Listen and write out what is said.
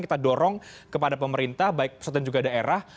kita dorong kepada pemerintah baik pusat dan juga daerah